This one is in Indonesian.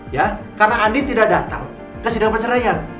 ya karena andi tidak datang ke sidang perceraian